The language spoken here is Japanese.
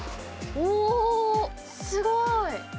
おー、すごい。